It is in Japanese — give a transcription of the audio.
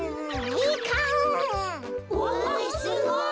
おすごい。